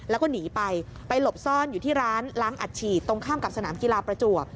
แล้วก็หนีไปไปหลบซ่อนอยู่ที่ร้านล้างอัดฉีดตรงข้ามกับสนามกีฬาประจวบ